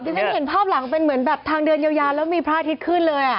ฉันเห็นภาพหลังเป็นเหมือนแบบทางเดินยาวแล้วมีพระอาทิตย์ขึ้นเลย